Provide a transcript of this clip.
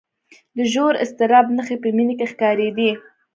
د ژور اضطراب نښې په مينې کې ښکارېدې